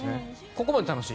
ここまで楽しい。